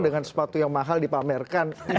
dengan sepatu yang mahal dipamerkan